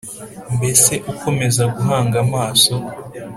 Mbese ukomeza guhanga amaso